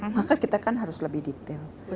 maka kita kan harus lebih detail